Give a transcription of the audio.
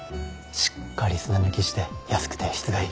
しっかり砂抜きして安くて質がいい。